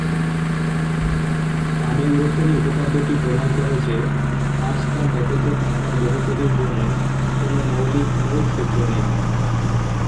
Abel-Ruffini উপপাদ্যটি প্রমাণ করে যে, পাঁচ বা ততোধিক মাত্রার বহুপদীর জন্য কোনও মৌলিক মূল সূত্র নেই।